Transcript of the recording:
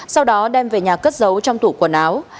sau đó đem về nhà cất giấu trong tủ quần áo